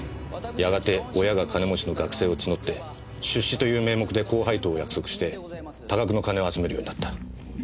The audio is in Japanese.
やがて親が金持ちの学生を募って出資という名目で高配当を約束して多額の金を集めるようになった。